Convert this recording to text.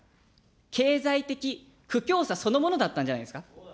経済的苦境さそのものだったんじゃないですか。